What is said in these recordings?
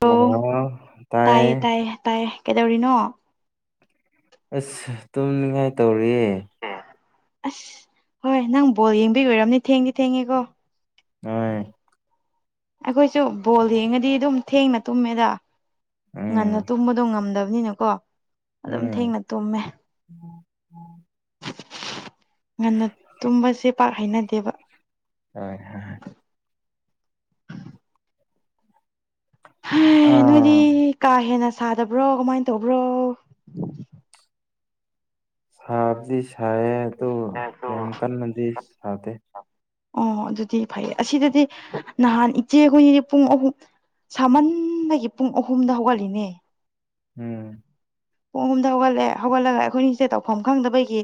ꯍꯂ ꯇꯥꯏꯌꯦ ꯇꯥꯏꯌꯦ ꯇꯥꯏꯌꯦ ꯀꯩꯗꯧꯔꯤꯅꯣ ꯑꯁ ꯇꯨꯝꯅꯤꯡꯉꯥꯏ ꯇꯧꯔꯤꯌꯦ ꯑꯁ ꯍꯣꯏ ꯅꯪ ꯕꯣꯜ ꯌꯦꯡꯕꯤꯔꯣꯏꯔꯕꯅꯤ ꯊꯦꯡꯗꯤ ꯊꯦꯡꯉꯦꯀꯣ ꯍꯣꯏ ꯑꯩꯈꯣꯏꯁꯨ ꯕꯣꯜ ꯌꯦꯡꯉꯗꯤ ꯑꯗꯨꯝ ꯊꯦꯡꯅ ꯇꯨꯝꯃꯦꯗ ꯉꯟꯅ ꯎꯝ ꯇꯨꯝꯕꯗꯣ ꯉꯝꯗꯕ ꯑꯗꯨꯅꯤꯅꯀꯣ ꯑꯗꯨꯝ ꯊꯦꯡꯅ ꯇꯨꯝꯃꯦ ꯎꯝ ꯉꯟꯅ ꯇꯨꯝꯕꯁꯦ ꯄꯥꯛ ꯍꯩꯅꯗꯦꯕ ꯍꯣꯏ ꯍꯣꯏ ꯍ ꯅꯣꯏꯗꯤ ꯑꯥ ꯀꯥ ꯍꯦꯟꯅ ꯁꯥꯗꯕ꯭ꯔꯣ ꯀꯃꯥꯏꯅ ꯇꯧꯕ꯭ꯔꯣ ꯁꯥꯕꯗꯤ ꯁꯥꯏꯌꯦ ꯑꯗꯣ ꯌꯥꯝ ꯀꯟꯅꯗꯤ ꯁꯥꯗꯦ ꯑꯣ ꯑꯗꯨꯗꯤ ꯐꯩꯌꯦ ꯑꯁꯤꯗꯗꯤ ꯅꯍꯥꯟ ꯏꯆꯦ ꯑꯩꯈꯣꯏꯅꯤꯗꯤ ꯄꯨꯡ ꯑꯍꯨꯝ ꯁꯥꯃꯟꯗꯒꯤ ꯄꯨꯡ ꯑꯍꯨꯝꯗ ꯍꯧꯒꯠꯂꯤꯅꯦ ꯎꯝ ꯄꯨꯡ ꯑꯍꯨꯝꯗ ꯍꯧꯒꯠꯂꯑꯦ ꯍꯧꯒꯠꯂꯒ ꯑꯩꯈꯣꯏꯅꯤꯁꯦ ꯇꯧꯐꯝ ꯈꯪꯗꯕꯒꯤ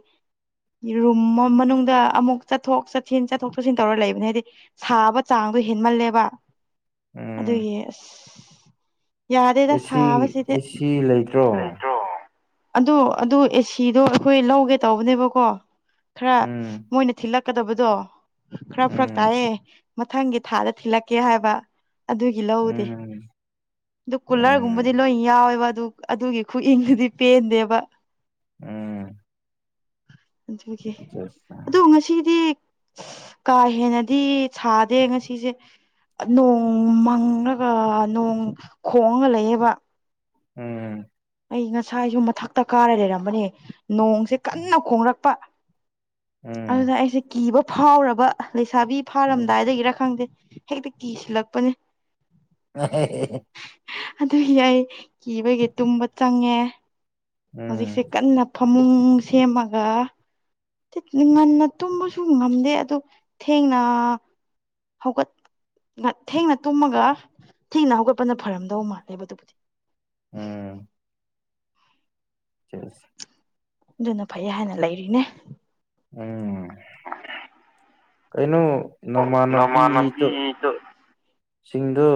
ꯔꯨꯝ ꯃꯅꯨꯡꯗ ꯑꯃꯨꯛ ꯆꯠꯊꯣꯛ ꯆꯠꯁꯤꯟ ꯆꯠꯊꯣꯛ ꯆꯠꯁꯤꯟ ꯇꯧꯔ ꯂꯩꯕꯅꯦ ꯍꯥꯏꯗꯤ ꯁꯥꯕ ꯆꯥꯡ ꯍꯦꯟꯃꯜꯂꯦꯕ ꯎꯝ ꯑꯗꯨꯒꯤ ꯑꯁ ꯌꯥꯗꯦꯗ ꯑꯦꯁꯤ ꯁꯥꯕꯁꯤꯗꯤ ꯑꯦꯁꯤ ꯂꯩꯇ꯭ꯔꯣ ꯑ ꯑꯗꯨ ꯑꯦꯁꯤꯗꯣ ꯑꯩꯈꯣꯏ ꯂꯧꯒꯦ ꯇꯧꯕꯅꯦꯕꯀꯣ ꯈꯔ ꯎꯝ ꯃꯣꯏꯅ ꯊꯤꯜꯂꯛꯀꯗꯕꯗꯣ ꯈꯔ ꯐꯔꯛ ꯎꯝ ꯇꯥꯏꯑꯦ ꯃꯊꯪꯒꯤ ꯊꯥꯗ ꯊꯤꯜꯂꯛꯀꯦ ꯍꯥꯏꯕ ꯑꯗꯨꯒꯤ ꯂꯧꯗꯦ ꯎꯝ ꯑꯗꯨ ꯎꯝ ꯎꯝ ꯎꯝ ꯀꯨꯂꯔꯒꯨꯝꯕꯗꯤ ꯂꯣꯏ ꯌꯥꯎꯋꯦꯕ ꯑꯗꯨ ꯑꯗꯨꯒꯤ ꯈꯨꯏꯪꯗꯨꯗꯤ ꯄꯦꯟꯗꯦꯕ ꯎꯝ ꯑꯗꯨꯒꯤ ꯑꯣ ꯉꯁꯤꯗꯤ ꯀꯥ ꯍꯦꯟꯅꯗꯤ ꯁꯥꯗꯦ ꯉꯁꯤꯁꯦ ꯅꯣꯡ ꯃꯪꯉꯒ ꯅꯣꯡ ꯈꯣꯡꯒ ꯂꯩꯌꯦꯕ ꯎꯝ ꯇ ꯀꯥꯔ ꯂꯩꯔꯝꯕꯅꯦ ꯅꯣꯡꯁꯦ ꯀꯟꯅ ꯈꯣꯡꯂꯛꯄ ꯑꯗꯨꯗ ꯑꯩꯁꯦ ꯀꯤꯕ ꯐꯥꯎꯔꯕ ꯂꯩꯁꯥꯕꯤ ꯐꯥꯔꯝꯗꯥꯏꯗꯒꯤꯔ ꯈꯪꯗꯦ ꯍꯦꯛꯇ ꯀꯤꯁꯤꯜꯂꯛꯄꯅꯦ ꯑ ꯑꯗꯨꯒꯤ ꯑꯩ ꯀꯤꯕꯒꯤ ꯇꯨꯝꯕ ꯆꯪꯉꯦ ꯍꯧꯖꯤꯛꯁꯦ ꯎꯝ ꯀꯟꯅ ꯐꯃꯨꯡ ꯁꯦꯝꯃꯒ ꯉꯟꯅ ꯇꯨꯝꯕꯁꯨ ꯉꯝꯗꯦ ꯑꯗꯨ ꯊꯦꯡꯅ ꯍ ꯀꯠ ꯉ ꯊꯦꯡꯅ ꯇꯨꯝꯃꯒ ꯊꯦꯡꯅ ꯍꯧꯒꯠꯄꯅ ꯐꯔꯝꯗꯧ ꯃꯥꯜꯂꯕꯗꯨꯕꯨꯗꯤ [inaudible] ꯆ ꯑꯗꯨꯅ ꯐꯩꯌꯦ ꯍꯥꯏꯅ ꯂꯩꯔꯤꯅꯦ ꯎꯝ ꯑꯣ ꯀꯩꯅꯣ ꯅꯃꯥꯟꯅꯕꯤꯗ ꯅꯃꯥꯟꯅꯕꯤꯗꯣ ꯁꯤꯡꯗꯣ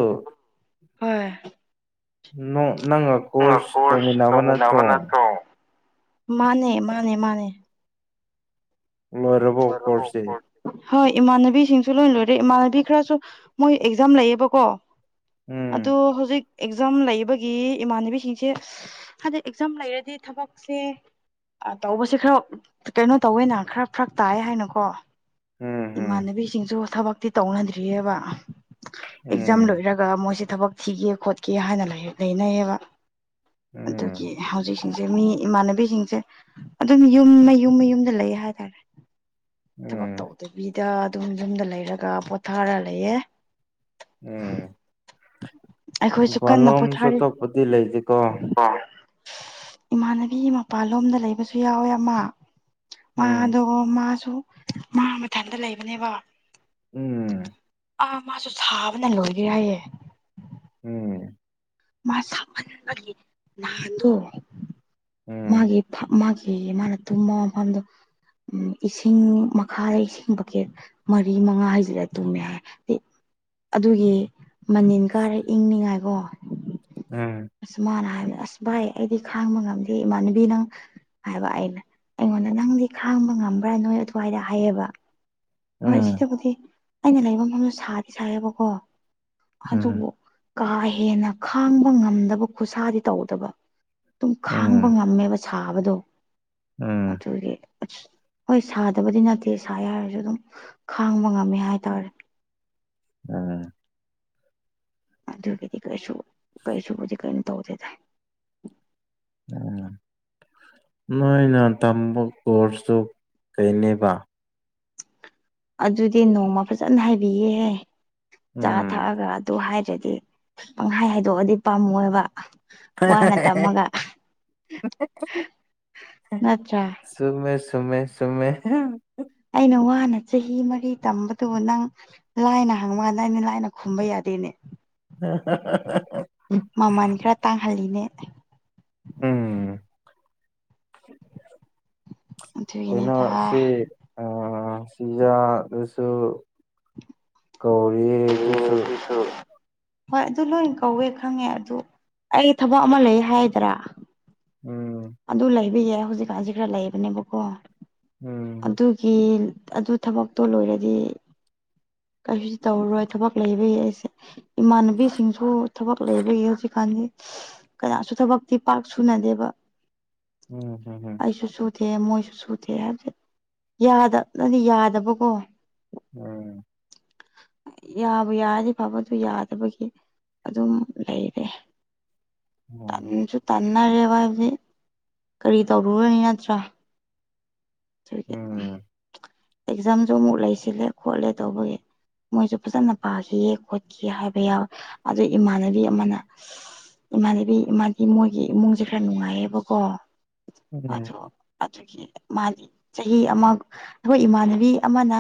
ꯍꯣꯏ ꯅꯪꯒ ꯀꯣꯔꯁ ꯇꯧꯃꯤꯟꯅꯕ ꯅꯠꯇ꯭ꯔꯣ ꯃꯥꯅꯦ ꯃꯥꯅꯦ ꯃꯥꯅꯦ ꯂꯣꯏꯔꯕꯣ ꯀꯣꯔꯁꯦ ꯍꯣꯏ ꯏꯃꯥꯟꯅꯕꯤꯁꯤꯡꯁꯨ ꯂꯣꯏ ꯂꯣꯏꯔꯦ ꯏꯃꯥꯟꯅꯕꯤ ꯈꯔꯁꯨ ꯃꯣꯏ ꯑꯦꯛꯖꯥꯝ ꯂꯩꯌꯦꯕꯀꯣ ꯑꯗꯨ ꯎꯝ ꯍꯧꯖꯤꯛ ꯑꯦꯛꯖꯥꯝ ꯂꯩꯕꯒꯤ ꯏꯃꯥꯟꯅꯕꯤꯁꯤꯡꯁꯦ ꯍꯥꯏꯗꯤ ꯑꯦꯛꯖꯥꯝ ꯂꯩꯔꯗꯤ ꯊꯕꯛꯁꯦ ꯇꯧꯕꯁꯦ ꯈꯔ ꯀꯩꯅꯣ ꯇꯧꯋꯦꯅ ꯈꯔ ꯐꯔꯛ ꯇꯥꯏ ꯍꯥꯏꯅꯀꯣ ꯎꯝ ꯏꯃꯥꯟꯅꯕꯤꯁꯤꯡꯁꯨ ꯊꯕꯛꯇꯤ ꯇꯧꯅꯗ꯭ꯔꯤꯑꯕ ꯑꯦꯛꯖꯥꯝ ꯎꯝ ꯂꯣꯏꯔꯒ ꯃꯣꯏꯁꯦ ꯊꯕꯛ ꯊꯤꯒꯦ ꯈꯣꯠꯀꯦ ꯍꯥꯏꯅ ꯂꯩꯅꯩꯌꯦꯕ ꯑꯗꯨꯒꯤ ꯎꯝ ꯍꯧꯖꯤꯛꯁꯤꯡꯁꯦ ꯃꯤ ꯏꯃꯥꯟꯅꯕꯤꯁꯤꯡꯁꯦ ꯑꯗꯨꯝ ꯌꯨꯝ ꯃꯌꯨꯝ ꯃꯌꯨꯝꯗ ꯂꯩ ꯍꯥꯏꯇꯥꯔꯦ ꯎꯝ ꯊꯕꯛ ꯎꯝ ꯇꯧꯗꯕꯤꯗ ꯑꯗꯨꯝ ꯌꯨꯝꯗ ꯂꯩꯔꯒ ꯄꯣꯊꯥꯔ ꯂꯩꯑꯦ ꯎꯝ ꯑꯩꯈꯣꯏꯁꯨ ꯐꯂꯣ ꯀꯟꯅ ꯑꯝꯁꯨꯇ ꯄꯗꯤꯤ ꯂꯩꯗꯤꯦꯀꯣ ꯏꯃꯥꯟꯅꯕꯤꯒꯤ ꯃꯄꯥꯜ ꯂꯣꯝꯗ ꯂꯩꯕꯁꯨ ꯌꯥꯎꯋꯦ ꯑꯃ ꯎꯝ ꯃꯥꯗꯣ ꯃꯥꯁꯨ ꯃꯥ ꯃꯊꯟꯇ ꯂꯩꯕꯅꯦꯕ ꯎꯝ ꯑꯥ ꯃꯥꯁꯨ ꯁꯥꯕꯅ ꯂꯣꯏꯒꯦ ꯍꯥꯏꯌꯦꯦ ꯎꯝ ꯃꯥ ꯁꯃꯜ ꯃꯥꯒꯤ ꯅꯍꯥꯟꯗ ꯃꯥꯒꯤ ꯎꯝ ꯃꯥꯒꯤ ꯃꯥꯅ ꯇꯨꯝꯕ ꯃꯐꯝꯗ ꯎꯝ ꯏꯁꯤꯡ ꯃꯈꯥꯗ ꯏꯁꯤꯡ ꯀꯦꯠ ꯃꯔꯤ ꯃꯉꯥ ꯍꯥꯏꯁꯤꯗ ꯇꯨꯝꯃꯦ ꯍꯥꯏ ꯑꯗꯨꯒꯤ ꯃꯅꯤꯜ ꯀꯥꯔꯦ ꯏꯪꯅꯤꯡꯉꯥꯏꯀꯣ ꯎꯝ ꯑꯁ ꯃꯥꯅ ꯍꯥꯏꯕ ꯑꯁ ꯚꯥꯏ ꯑꯩꯗꯤ ꯈꯥꯡꯕ ꯉꯝꯗꯦ ꯏꯃꯥꯟꯅꯕꯤ ꯅꯪ ꯍꯥꯏꯕ ꯑꯩꯅ ꯑꯩꯉꯣꯟꯗ ꯅꯪꯗꯤ ꯈꯥꯡꯕ ꯉꯝꯕ꯭ꯔꯥ ꯅꯣꯏ ꯑꯗꯨꯋꯥꯏꯗ ꯍꯥꯏꯌꯦꯕ ꯍꯣꯏ ꯎꯝ ꯁꯤꯗꯕꯨꯗꯤ ꯑꯩꯅ ꯂꯩꯕ ꯃꯐꯝꯗꯣ ꯁꯥꯗꯤ ꯁꯥꯥꯏꯌꯦꯦꯕꯀꯣ ꯎꯝ ꯎꯝ ꯑꯗꯨꯕꯨ ꯀꯥ ꯍꯦꯟꯅ ꯈꯥꯡꯕ ꯉꯝꯗꯕ ꯈꯨꯠꯁꯥꯗꯤ ꯇꯧꯗꯕ ꯑꯗꯨꯝ ꯈꯥꯡꯕ ꯎꯝ ꯉꯝꯃꯦꯕ ꯁꯥꯕꯗꯣ ꯎꯝ ꯃꯆꯨꯔꯒꯤ ꯑ ꯍꯣꯏ ꯁꯥꯗꯕꯗꯤ ꯅꯠꯇꯦ ꯁꯥꯦ ꯍꯥꯏꯔꯁꯨ ꯑꯗꯨꯝ ꯈꯥꯡꯕ ꯉꯝꯃꯦ ꯍꯥꯏꯇꯥꯔꯦ ꯎꯝ ꯑꯗꯨ ꯑꯗꯨꯒꯤꯗꯤ ꯀꯩꯁ ꯀꯩꯁꯨ ꯀꯩ ꯊꯧꯗ ꯎꯝ ꯅꯣꯏꯅ ꯇꯝꯕ ꯀꯁꯨ ꯀꯩꯅꯦꯕ ꯑꯗꯨꯗꯤ ꯅꯣꯡꯃ ꯐꯖꯅ ꯍꯥꯏꯕꯤꯌꯦꯦꯍ ꯆꯥ ꯎꯝ ꯊꯛꯑꯒ ꯑꯗꯨ ꯍꯥꯏ ꯗꯤ ꯄꯪꯍꯥꯏ ꯍꯥꯏꯗꯣꯛꯑꯗꯤ ꯄꯥꯝꯃꯣꯏꯕ ꯋꯥꯅ ꯇꯃꯒ ꯑꯆꯥ ꯁꯃꯦ ꯁꯃꯦ ꯑꯩꯅ ꯋꯥꯅꯦ ꯆꯍꯤ ꯃꯔꯤ ꯇꯝꯕꯗꯨꯕꯨ ꯅꯪ ꯂꯥꯏꯅ ꯍꯪꯕꯀꯥꯟꯗ ꯑꯩꯅ ꯂꯥꯏꯅ ꯈꯨꯝꯕ ꯌꯥꯗꯦꯅꯦ ꯎ ꯃꯃꯜ ꯈꯔ ꯇꯥꯡꯍꯜꯂꯤꯅꯦ ꯀꯩꯅ ꯑꯗꯨꯒꯤꯅꯦꯗ ꯁꯤ ꯑ ꯁꯤꯖꯥ ꯁꯨꯁꯨ ꯀꯧꯔꯤꯗꯨꯁꯨ ꯍꯣꯏ ꯑꯗꯨ ꯂꯣꯏ ꯀꯧꯋꯦ ꯈꯪꯉꯦ ꯑꯗꯨ ꯑꯩ ꯊꯕꯛ ꯑꯃ ꯂꯩ ꯍꯥꯏꯒꯗ꯭ꯔꯥ ꯎꯝ ꯑꯗꯨ ꯂꯩꯕ ꯌꯥꯏ ꯍꯧꯖꯤꯛꯀꯥꯟꯁꯤ ꯈꯔ ꯂꯩꯕꯅꯦꯕꯀꯣ ꯎꯝ ꯑꯗꯨꯒꯤ ꯑꯗꯨ ꯊꯕꯛꯇꯣ ꯂꯣꯏꯔꯗꯤ ꯀꯩꯁꯨ ꯇꯧꯔꯔꯣꯏ ꯊꯕꯛ ꯂꯩꯕꯒꯤ ꯑꯩꯁꯦ ꯏꯃꯥꯟꯅꯕꯤꯁꯤꯡꯁꯨ ꯊꯕꯛ ꯂꯩꯕꯒꯤ ꯍꯧꯖꯤꯛꯀꯥꯟꯗꯤ ꯀꯅꯥꯁꯨ ꯊꯕꯛꯇꯤ ꯄꯥꯛ ꯁꯨꯅꯗꯦꯕ ꯎꯝ ꯍꯝꯝ ꯁꯨꯊꯦ ꯃꯣꯏꯁꯨ ꯁꯨꯊꯦ ꯍꯥꯏꯕꯗꯤꯦ ꯌꯥꯗ ꯅꯗꯤ ꯌꯥꯗꯕꯀꯣ ꯎꯝ ꯌꯥꯕꯨ ꯌꯥꯗꯤꯦ ꯐꯕ ꯑꯗꯨ ꯌꯥꯗꯕꯒꯤ ꯑꯗꯨꯝ ꯂꯩꯔꯦ ꯎꯝ ꯇꯟꯁꯨ ꯇꯟꯅꯔꯦꯕ ꯍꯥꯏꯕꯗꯤ ꯀꯔꯤ ꯇꯧꯔꯨꯔꯅꯤ ꯅꯠꯇ꯭ꯔꯥ ꯎꯝ ꯑꯦꯛꯖꯥꯝꯁꯨ ꯑꯃꯨꯛ ꯂꯩꯁꯤꯜꯂꯦ ꯈꯣꯠꯂꯦ ꯇꯧꯕꯒꯤ ꯃꯣꯏꯁꯨ ꯐꯖꯅ ꯄꯥꯈꯤꯌꯦ ꯈꯣꯠꯈꯤ ꯍꯥꯏꯕ ꯌꯥꯎꯋꯦ ꯑꯗꯨ ꯏꯃꯥꯟꯅꯕꯤ ꯑꯃꯅ ꯏꯃꯥꯟꯅꯕꯤ ꯏꯃꯥ ꯃꯣꯏꯒꯤ ꯏꯃꯨꯡꯁꯦ ꯈꯔ ꯅꯨꯡꯉꯥꯏꯌꯦꯕꯀꯣ ꯑꯣ ꯑꯗꯨꯒꯤ ꯃꯥꯗꯤ ꯆꯍꯤ ꯑꯃ ꯑꯩꯈꯣꯏ ꯏꯃꯥꯟꯅꯕꯤ ꯑꯃꯅ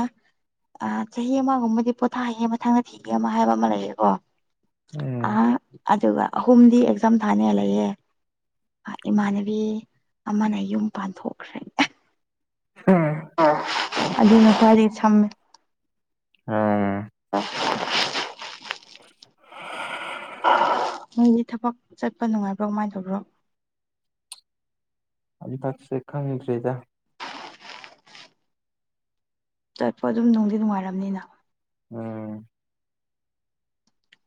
ꯑ ꯆꯍꯤ ꯑꯃꯒꯨꯝꯕꯗꯤ ꯄꯣꯊꯥ ꯍꯩꯌꯦ ꯃꯊꯪꯗ ꯊꯤꯒꯦ ꯑꯃ ꯍꯥꯏꯕ ꯑꯃ ꯂꯩꯌꯦꯦꯀꯣ ꯑ ꯎꯝ ꯑꯗꯨꯒ ꯑꯍꯨꯝꯗꯤ ꯑꯦꯛꯖꯥꯝ ꯊꯥꯅ ꯂꯩꯌꯦꯦ ꯏꯃꯥꯟꯅꯕꯤ ꯑꯃꯅ ꯌꯨꯝ ꯄꯥꯟꯊꯣꯛꯈ꯭ꯔꯦ ꯑꯗꯨꯅꯀꯗꯤ ꯁꯝ ꯑ [inaudible] ꯃꯣꯏꯒꯤ ꯊꯕꯛ ꯆꯠꯄ ꯅꯨꯡꯉꯥꯏꯕ꯭ꯔꯣ ꯀꯃꯥꯏꯅ ꯇꯧꯕ꯭ꯔꯣ ꯑꯗꯨꯗꯛꯁꯦ ꯈꯪꯗ꯭ꯔꯔꯤꯗ ꯆꯠꯄ ꯑꯗꯨꯝ ꯅꯨꯡꯗꯤ ꯅꯨꯡꯉꯥꯏꯔꯝꯅꯤꯅ ꯎꯝ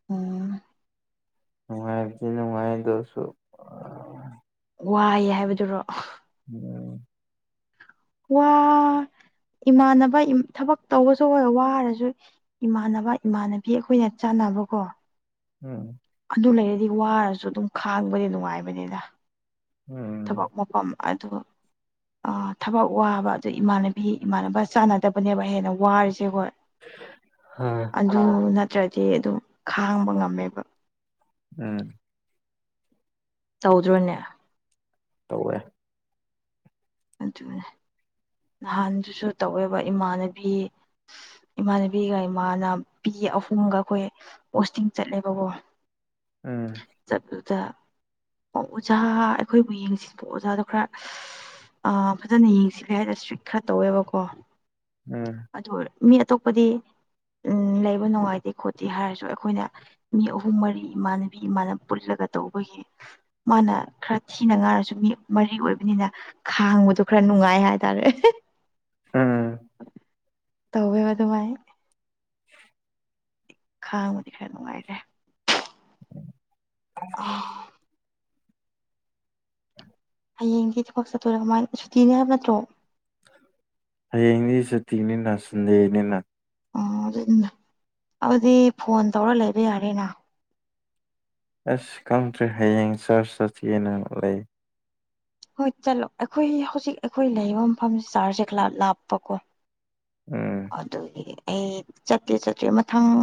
ꯑꯣ ꯅꯨꯡꯉꯥꯏꯗꯤꯅꯅꯨꯡꯉꯥꯏꯗꯣ ꯁꯣ ꯋꯥꯏ ꯍꯥꯏꯕꯗꯨꯔꯣ ꯎꯝ ꯋꯥ ꯏꯃꯥꯟꯅꯕ ꯊꯕꯛ ꯇꯧꯕꯁꯨ ꯑꯣꯏꯔ ꯋꯥꯔꯁꯨ ꯏꯃꯥꯟꯅꯕ ꯏꯃꯥꯟꯅꯕꯤ ꯑꯩꯈꯣꯏꯅ ꯆꯥꯟ [inaudible] ꯎꯝ ꯑꯗꯨ ꯂꯩꯔꯗꯤ ꯋꯥꯔꯖꯨ ꯑꯗꯨꯝ ꯈꯥꯡꯕꯗꯤ ꯅꯨꯡꯉꯥꯏꯕꯅꯤꯗ ꯎꯝ ꯊꯕꯛ ꯃꯄꯝ ꯑꯗꯨ ꯑ ꯊꯕꯛ ꯋꯥꯕ ꯑꯗꯨ ꯏꯃꯥꯟꯅꯕꯤ ꯏꯃꯥꯟꯅꯕ ꯆꯥꯟꯅꯗꯕꯅꯦꯕ ꯍꯦꯟꯅ ꯋꯥꯔꯤꯁꯦ ꯍꯣꯏ ꯑꯗꯨꯑꯥ ꯅꯠꯇ꯭ꯔꯗꯤ ꯑꯗꯨꯝ ꯈꯥꯡꯕ ꯉꯝꯃꯦꯕ ꯎꯝ ꯇꯧꯗ꯭ꯔꯣꯅꯦ ꯇꯧꯋꯦ ꯑꯗꯨꯅꯦ ꯅꯍꯥꯟꯗꯨꯁꯨ ꯇꯧꯋꯦꯕ ꯏꯃꯥꯟꯅꯕꯤ [inaudible] ꯏꯃꯥꯟꯅꯕꯤꯒ ꯏꯃꯥꯅ ꯄꯤ ꯑꯍꯨꯝꯒ ꯑꯩꯈꯣꯏ ꯄꯣꯁꯇꯤꯡ ꯆꯠꯂꯦꯕꯒꯣ ꯎꯝ ꯆꯠꯗꯨꯗ ꯑꯣ ꯑꯣꯖꯥ ꯑꯩꯈꯣꯏꯕꯨ ꯌꯦꯡꯁꯤꯟꯕ ꯑꯣꯖꯥꯗꯣ ꯈꯔ ꯑ ꯐꯖꯅ ꯌꯦꯡꯁꯤꯜꯂꯦ ꯍꯥꯏ ꯏꯁꯇ꯭ꯔꯤꯛ ꯈꯔ ꯇꯧꯋꯦꯕꯀꯣ ꯎꯝ ꯑꯗꯨ ꯑꯣꯏ ꯃꯤ ꯑꯇꯣꯞꯄꯗꯤ ꯎꯝ ꯂꯩꯕ ꯅꯨꯡꯉꯥꯏꯇꯦ ꯈꯣꯠꯇꯦ ꯍꯥꯏꯔꯁꯨ ꯑꯩꯈꯣꯏꯅ ꯃꯤ ꯑꯍꯨꯝ ꯃꯔꯤ ꯏꯃꯥꯟꯅꯕꯤ ꯏꯃꯥꯟꯅꯕ ꯄꯨꯂꯒ ꯒ ꯇꯧꯕꯒꯤ ꯃꯥꯅ ꯈꯔ ꯊꯤꯅ ꯉꯥꯏꯔꯁꯨ ꯃꯤ ꯃꯔꯤ ꯑꯣꯏꯕꯅꯤꯅ ꯈꯥꯡꯕꯗꯣ ꯈꯔ ꯅꯨꯡꯉꯥꯏ ꯍꯥꯏꯇꯥꯔꯦ ꯎꯝ ꯇꯧꯋꯦꯕ ꯗꯨꯃꯥꯥꯏ [inaudible] ꯈꯥꯡꯕꯗꯤ ꯈꯔ ꯅꯨꯡꯉꯥꯏꯔꯦ ꯑꯥ [inaudible] ꯍꯌꯦꯡꯗꯤ ꯊꯕꯛ ꯆꯠꯇꯣꯏꯔꯥ ꯀꯃꯥꯏꯟ ꯁꯨꯇꯤꯅꯦ ꯍꯥꯏꯕ ꯅꯠꯇ꯭ꯔꯣ ꯍꯌꯦꯡꯗꯤ ꯁꯨꯇꯤꯅꯤꯅ ꯁꯨꯟꯗꯦꯅꯤꯅ ꯑꯣ [inaudible] ꯑꯗꯨꯗꯤ ꯐꯣꯟ ꯇꯧꯔ ꯂꯩꯕ ꯌꯥꯔꯦꯅ ꯑꯁ ꯈꯪꯗ꯭ꯔꯦ ꯍꯌꯦꯡ ꯆꯥꯔꯆ ꯆꯠꯀꯦꯅ ꯂꯩ ꯍꯣꯏ ꯆꯠꯂꯣ ꯑꯩꯈꯣꯏ ꯍꯧꯖꯤꯛ ꯑꯩꯈꯣꯏ ꯂꯩꯕ ꯃꯐꯝ ꯆꯥꯔꯖ ꯈ꯭ꯂꯥꯞ ꯂꯞꯄꯀꯣ ꯎꯝ ꯑꯗꯨꯗꯤ ꯑꯩ ꯆꯠꯇꯦ ꯆꯠꯇ꯭ꯔꯦ ꯃꯊꯪ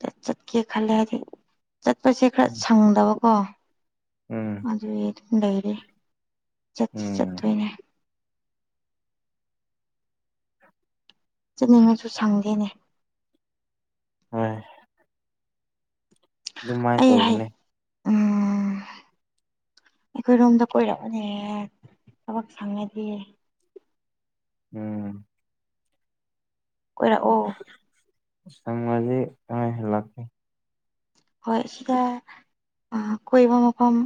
ꯆꯠ ꯆꯠꯀꯦ ꯈꯜꯂꯛꯑꯗꯤ ꯆꯠꯄꯁꯦ ꯈꯔ ꯁꯪꯗꯕꯀꯣ ꯎꯝ ꯑꯗꯨꯏ ꯂꯩꯔꯤ ꯆꯠꯁꯤ ꯎꯝ ꯆꯠꯇꯣꯏꯅꯦ [inaudible] ꯆꯠꯅꯤꯡꯉꯁꯨ ꯁꯪꯗꯦꯅꯦ [unintelligible] ꯗꯨꯝꯃꯥꯏꯅ ꯑꯩ ꯍꯌꯦꯡ ꯇꯧꯕꯅꯦ ꯎꯝ ꯑꯩꯈꯣꯏꯔꯣꯝꯗ ꯀꯣꯏꯔꯛꯑꯣꯅꯦ ꯊꯕꯛ ꯁꯪꯉꯗꯤ ꯎꯝ ꯀꯣꯏꯔꯛꯑꯣ ꯁꯪꯉꯗꯤ ꯅ‌ꯣꯏꯁꯨ ꯂꯛꯀ‌ꯦ ꯍꯣꯏ ꯁꯤꯗ ꯑꯥ ꯀꯣꯏꯕ ꯃꯐꯝ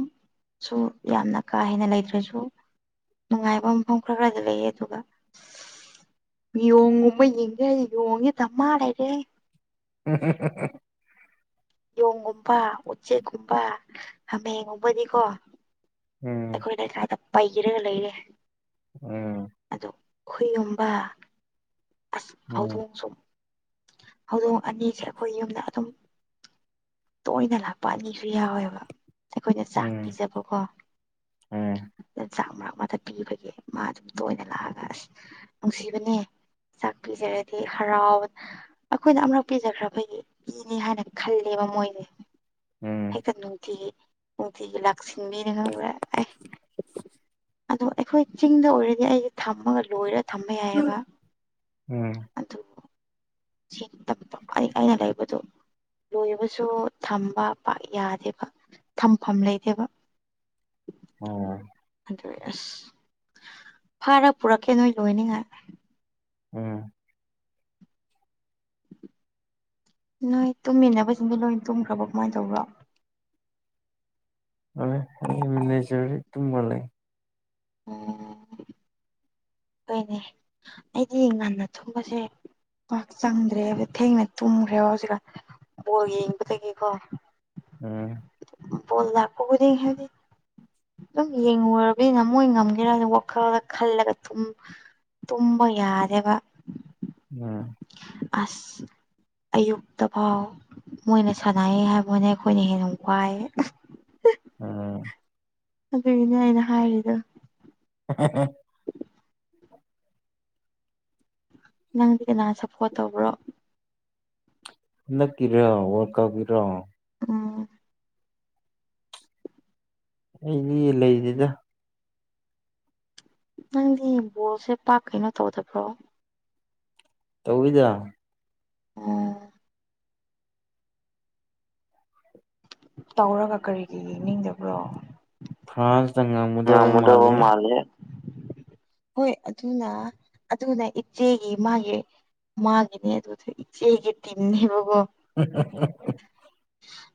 ꯁꯨ ꯌꯥꯝꯅ ꯀꯥꯍꯦꯟꯅ ꯂꯩꯇ꯭ꯔꯁꯨ ꯅꯨꯡꯉꯥꯏꯕ ꯃꯐꯝ ꯈꯔ ꯈꯔꯗ ꯂꯩꯌꯦꯕ ꯌꯣꯡꯒꯨꯝꯕ ꯌꯦꯡꯒꯦ ꯌꯣꯡꯗꯤ ꯗꯝꯃꯥ ꯂꯩꯔꯦ ꯎꯝꯍꯨꯝꯍꯨꯝꯍꯨꯝꯍꯨꯝ ꯌꯣꯡꯒꯨꯝꯕ ꯎꯆꯦꯛꯀꯨꯝꯕ ꯍꯥꯃꯦꯡ ꯒꯨꯝꯕꯗꯤꯀꯣ ꯎꯝ ꯑꯩꯈꯣꯏꯗ ꯁꯋꯥꯏꯗ ꯄꯩꯔ ꯂꯩꯔꯦ ꯎꯝ ꯑꯗꯣ ꯍꯨꯏꯒꯨꯝꯕ ꯑꯁ ꯎꯝ ꯐꯥꯎꯗꯣꯡꯁꯨ ꯍꯧꯗꯣꯡ ꯑꯅꯤꯁꯦ ꯑꯩꯈꯣꯏ ꯌꯨꯝꯗ ꯑꯗꯨꯝ ꯇꯣꯏꯅ ꯂꯥꯛꯄ ꯑꯅꯤꯁꯨ ꯌꯥꯎꯋꯦꯕ ꯑꯩꯈꯣꯏꯗ ꯆꯥꯛ ꯄꯤꯖꯕꯀꯣ ꯑꯝ ꯆꯥꯛ ꯃꯔꯛ ꯑꯃꯗ ꯄꯤꯕꯒꯤ ꯃꯥ ꯑꯗꯨꯝ ꯇꯣꯏꯅ ꯂꯥꯛꯑꯒ ꯑꯁ ꯅꯨꯡꯁꯤꯕꯅꯦ ꯆꯥꯛꯄꯤꯖꯔꯗꯤ ꯍꯔꯥꯎ ꯑꯩꯈꯣꯏꯅ ꯑꯃꯔꯛ ꯄꯤꯖꯈ꯭ꯔꯕꯒꯤ ꯄꯤꯅꯤ ꯍꯥꯏꯅ ꯈꯜꯂꯦꯕ ꯃꯣꯏꯅꯦ ꯎꯝ ꯍꯦꯛꯇ ꯅꯨꯡꯇꯤꯒꯤ ꯅꯨꯡꯇꯤꯒꯤ ꯂꯥꯛꯁꯤꯟꯕꯤꯔ ꯈꯪꯕ꯭ꯔ ꯑꯦ ꯑꯗꯣ ꯑꯩꯈꯣꯏ ꯆꯤꯡꯗ ꯑꯣꯏꯔꯗꯤ ꯑꯩꯗꯤ ꯊꯝꯃꯒ ꯂꯣꯏꯔ ꯊꯝꯝꯕ ꯌꯥꯏꯌ‌ꯦꯕ ꯎꯝ ꯑꯗꯨ ꯁꯤ ꯊꯛꯄ ꯑꯩ ꯑꯩꯅ ꯂꯩꯥꯏꯕꯗꯨꯣ ꯂꯣꯏꯕꯁꯨ ꯊꯝꯕ ꯄꯥꯛ ꯌꯥꯗꯦꯕ ꯊꯝꯐꯝ ꯂꯩꯗꯦꯕ ꯑꯣ ꯑꯗꯨ ꯑꯁ ꯐꯥꯔ ꯄꯨꯔꯛꯀꯦ ꯅꯣꯏ ꯂꯣꯏꯅꯤꯡꯉꯗꯤ ꯑꯝ ꯅꯣꯏ ꯇꯨꯝꯃꯤꯟꯅꯕꯁꯤꯡꯗꯤ ꯂꯣꯏ ꯇꯨꯝꯈ꯭ꯔꯕ ꯀꯃꯥꯏꯅ ꯇꯧꯕ꯭ꯔꯣ ꯑꯩ ꯃꯤ ꯂ‌ꯣꯏ ꯂꯩꯖꯔꯤ ꯇꯨꯝꯃ ꯂꯩ ꯑꯣ ꯍꯣꯏꯅꯦ ꯑꯩꯗꯤ ꯉꯟꯅ ꯊꯨꯝꯕꯁꯦ ꯄꯥꯛ ꯆꯪꯗ꯭ꯔꯦ ꯊꯦꯡꯅ ꯇꯨꯝꯈ꯭ꯔꯦꯕ ꯍꯧꯖꯤꯛꯀ ꯕꯣꯜ ꯌꯦꯡꯕꯗꯒꯤꯀꯣ ꯎꯝ ꯚ‌ꯣꯜ ꯂꯛꯄꯕꯨꯗꯤ ꯍꯥꯏꯗꯤ ꯑꯗꯨꯝ ꯌꯦꯡꯉꯨꯔꯕꯅꯤꯅ ꯃꯣꯏ ꯉꯝꯒꯦꯔꯥ ꯋꯥꯈꯜꯂꯒ ꯈꯜꯂꯒ ꯊꯨꯝ ꯇꯨꯝꯕ ꯌꯥꯗꯦꯕ ꯎꯝ ꯑꯁ ꯑꯌꯨꯛꯇ ꯐꯥꯎ ꯃꯣꯏꯅ ꯁꯥꯟꯅꯩ ꯍꯥꯏꯕꯅ ꯑꯩꯈꯣꯏꯅ ꯍꯦꯟꯅ ꯋꯥꯏ ꯎꯝ ꯑꯗꯨꯒꯤꯅꯦ ꯑꯩꯅ ꯍꯥꯏꯔꯤꯗ [inaudible] ꯅꯪꯗꯤ ꯀꯅꯥ ꯁꯞꯄꯣꯔꯠ ꯇꯧꯕ꯭ꯔꯣ ꯍꯟꯅꯛꯀꯤꯔ‌ꯣ ꯋꯥ꯭ꯔꯜꯀꯞꯀꯤꯔ‌ꯣ ꯎꯝ ꯑꯩꯗꯤ ꯂꯩꯗꯦꯗ ꯅꯪꯗꯤ ꯕꯣꯜꯁꯦ ꯄꯥꯛ ꯀꯩꯅꯣ ꯇꯧꯗꯕ꯭ꯔꯣ ꯇꯧꯗ ꯑꯣ ꯇꯧꯔꯒ ꯀꯔꯤꯒꯤ ꯌꯦꯡꯅꯤꯡꯗꯕ꯭ꯔꯣ ꯐ꯭ꯔꯥꯟꯁꯅ ꯉꯝꯃꯨꯗꯕ ꯃꯥꯜꯂꯦ ꯍꯣꯏ ꯑꯗꯨꯅ ꯑꯗꯨꯅ ꯏꯆꯦꯒꯤ ꯃꯥꯒꯤ ꯃꯥꯒꯤꯦꯅꯦ ꯑꯗꯨ ꯊ ꯏꯆꯦ ꯑꯩꯒꯤ ꯇꯅꯦꯕꯣ ꯎ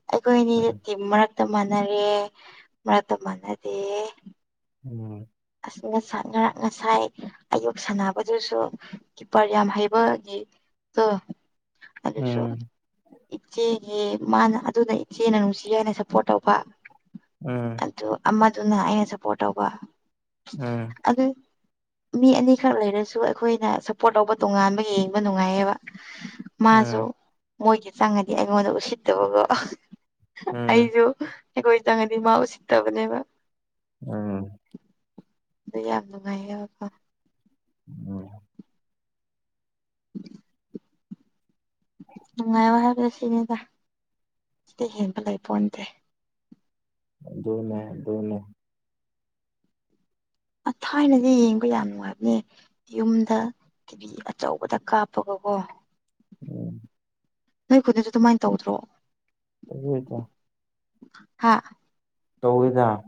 ꯑꯩꯈꯣꯏ ꯑꯅꯤ ꯇꯤꯝ ꯃꯔꯛꯇ ꯃꯥꯟꯅꯔꯦ ꯃꯔꯛꯇ ꯃꯥꯟꯅꯗꯦ ꯎꯝ ꯉꯁ ꯉꯔꯥꯛ ꯉꯁꯥꯏ ꯑꯌꯨꯛ ꯁꯥꯟꯅꯕꯗꯨꯁꯨ ꯀꯤꯞꯄꯔ ꯌꯥꯝ ꯍꯩꯕꯒꯤ ꯑꯗꯨ ꯁꯣ ꯎꯝ ꯏꯆꯦ ꯑꯦ ꯃꯥꯅ ꯑꯗꯨꯅ ꯏꯆꯦꯅ ꯅꯨꯡꯁꯤ ꯍꯥꯏꯅ ꯁꯞꯄꯣꯔꯠ ꯇꯧꯕ ꯎꯝ ꯑꯗꯨ ꯑꯗꯨꯅ ꯑꯩꯅ ꯁꯞꯄꯣꯔꯠ ꯇꯧꯕ ꯎꯝ ꯑꯗꯨ ꯃꯤ ꯑꯅꯤꯈꯛ ꯂꯩꯔꯁꯨ ꯑꯩꯈꯣꯏꯅ ꯁꯞꯄꯣꯔꯠ ꯇꯧꯕ ꯇꯣꯉꯥꯟꯕ ꯌꯦꯡꯕ ꯅꯨꯡꯉꯥꯏꯌꯦꯕ ꯃꯥꯁꯨ ꯎꯝ ꯃꯣꯏꯗꯤ ꯆꯪꯉꯗꯤ ꯑꯩꯉꯣꯟꯗ ꯎꯁꯤꯠꯇꯕꯀꯣ ꯎꯝ ꯑꯩꯁꯨ ꯑꯩꯈꯣꯏ ꯆꯪꯉꯗꯤ ꯃꯥ ꯎꯁꯤꯠꯇꯕꯅꯦꯕ ꯑꯝ ꯑ ꯌꯥꯝ ꯅꯨꯡꯉꯥꯏꯌꯦꯣ ꯎꯝ ꯅꯨꯡꯉꯥꯏꯌ ꯍꯥꯏꯕꯗ ꯁꯤꯅꯤꯗ ꯁꯤꯗ ꯍꯦꯟꯕ ꯂꯩꯄꯣꯟ ꯅꯗꯦ ꯗꯣꯅ ꯗꯣꯅ ꯑ ꯊꯥꯏꯅꯗꯤ ꯌꯦꯡꯕ ꯌꯥꯝ ꯅꯨꯡꯉꯥꯏꯕꯅꯦ ꯌꯨꯝꯗ ꯀꯤꯚꯤ ꯑꯆꯧꯕꯗ ꯀꯥꯞꯄꯒꯀꯣ ꯎꯝ ꯅꯣꯏ ꯈꯨꯗꯁꯨ ꯑꯗꯨꯃꯥꯏꯅ ꯇꯧꯗ꯭ꯔꯣ [unintelligible] ꯍꯥꯥ ꯇꯧꯗ